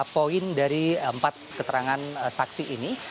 poin dari empat keterangan saksi ini